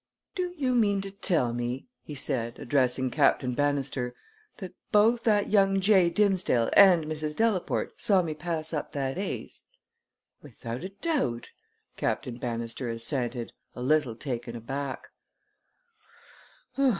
"Do you mean to tell me," he said, addressing Captain Bannister, "that both that young jay Dimsdale and Mrs. Delaporte saw me pass up that ace?" "Without a doubt," Captain Bannister assented, a little taken aback.